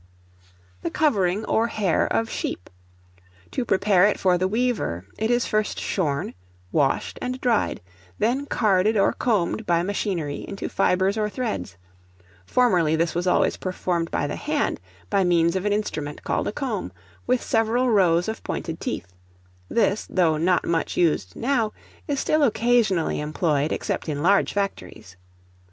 The covering or hair of sheep. To prepare it for the weaver, it is first shorn, washed, and dried, then carded or combed by machinery into fibres or threads: formerly this was always performed by the hand, by means of an instrument, called a comb, with several rows of pointed teeth; this, though not much used now, is still occasionally employed, except in large factories.